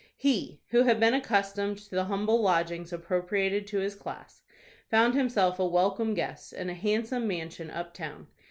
He, who had been accustomed to the humble lodgings appropriated to his class, found himself a welcome guest in a handsome mansion up town.